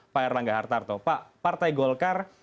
pak erlangga hartarto pak partai golkar